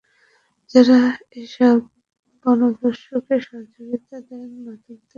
যাঁরা এসব বনদস্যুকে সহযোগিতা দেন, মদদ দেন, অস্ত্র দেন, তাঁদেরও চিহ্নিত করছি।